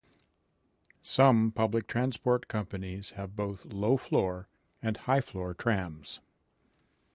Some public transport companies have both low floor and high floor trams.